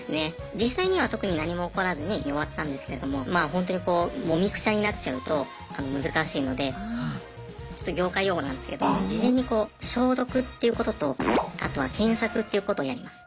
実際には特に何も起こらずに終わったんですけれどもまあホントにこうもみくちゃになっちゃうと難しいのでちょっと業界用語なんですけど事前にこう消毒っていうこととあとは検索っていうことをやります。